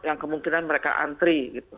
yang kemungkinan mereka antri